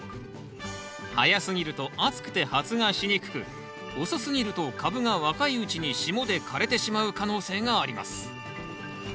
早すぎると暑くて発芽しにくく遅すぎると株が若いうちに霜で枯れてしまう可能性があります。